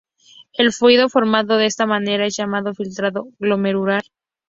El fluido formado de esta manera es llamado "filtrado glomerular".